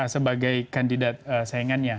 sebagai kandidat saingannya